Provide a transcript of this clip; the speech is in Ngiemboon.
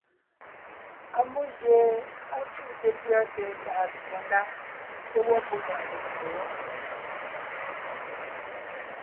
Ammó gie á cúte pʉ̀a tsɛ̀ɛ tàʼ tsìne ndá te gẅɔ́ pɔ́ ndaʼ metse wɔ́.